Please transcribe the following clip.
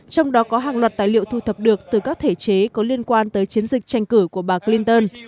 trong đó có hàng loạt tài liệu thu thập được từ các thể chế có liên quan tới chiến dịch tranh cử của bà clinton